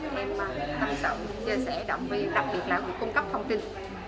chúng em tâm sự chia sẻ động viên đặc biệt là việc cung cấp thông tin